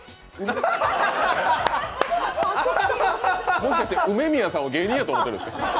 もしかして、梅宮さんを芸人やと思っているんですか？